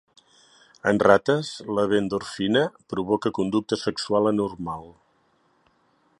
En rates, la β-endorfina provoca conducta sexual anormal.